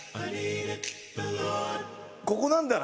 ここなんだな。